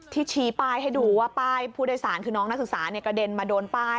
ชี้ป้ายให้ดูว่าป้ายผู้โดยสารคือน้องนักศึกษากระเด็นมาโดนป้าย